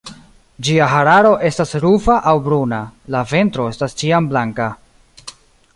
Ĝia hararo estas rufa aŭ bruna; la ventro estas ĉiam blanka.